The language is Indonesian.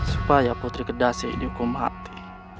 supaya putri kedasi dihukum mati